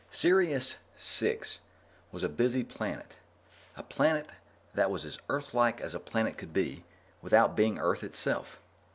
Sirius VI was a busy planet a planet that was as Earthlike as a planet could be without being Earth itself.